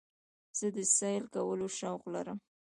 زه د سیل کولو شوق لرم.